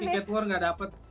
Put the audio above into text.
ticket war nggak dapat